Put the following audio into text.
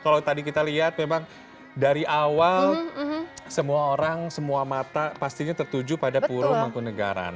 kalau tadi kita lihat memang dari awal semua orang semua mata pastinya tertuju pada pura mangkunagaran